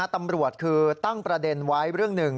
ตำรวจคือตั้งประเด็นไว้เรื่องหนึ่ง